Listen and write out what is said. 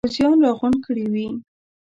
پوځیان را غونډ کړي وي.